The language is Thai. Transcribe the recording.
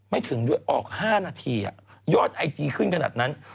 ไม่ถึงด้วยออก๕นาทียอดไอจีขึ้นขนาดนั้น